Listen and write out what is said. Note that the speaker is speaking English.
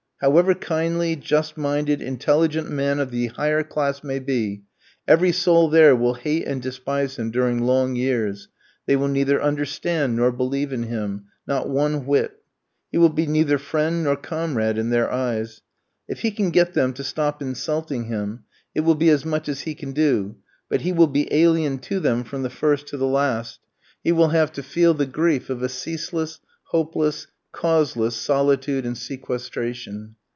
However kindly, just minded, intelligent a man of the higher class may be, every soul there will hate and despise him during long years; they will neither understand nor believe in him, not one whit. He will be neither friend nor comrade in their eyes; if he can get them to stop insulting him it will be as much as he can do, but he will be alien to them from the first to the last, he will have to feel the grief of a ceaseless, hopeless, causeless solitude and sequestration.